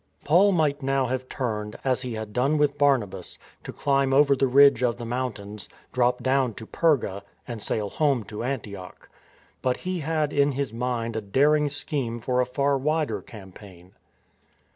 Paul might now have turned, as he had done with" Barnabas, to climb over the ridge of the mountains, drop down to Perga, and sail home to Antioch. But he had in his mind a daring scheme for a far wider campaign.